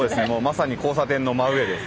まさに交差点の真上です。